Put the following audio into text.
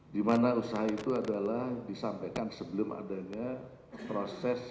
dimana usaha itu adalah disampaikan sebelum adanya proses